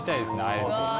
あえて。